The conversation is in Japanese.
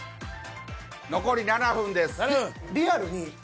残り７分です。